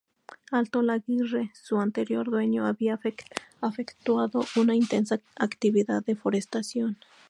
Altolaguirre, su anterior dueño, había efectuado una intensa actividad de forestación.